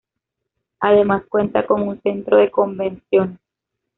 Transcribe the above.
Además cuenta con un centro de convenciones.